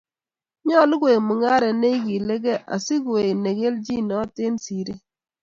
Nyolu koek mungaret ne igiiligei asi koek ne keljinot eng siret